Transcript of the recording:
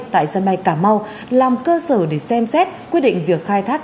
tại sân bay cảm mau làm cơ sở để xem xét quy định việc khai thác